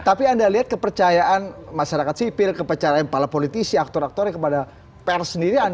tapi anda lihat kepercayaan masyarakat sipil kepercayaan para politisi aktor aktornya kepada pers sendiri